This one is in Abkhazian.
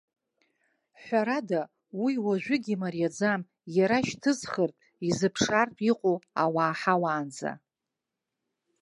Ҳәарада, уи уажәыгь имариаӡам, иара шьҭызхыртә, изылшартә иҟоу ауаа ҳауаанӡа.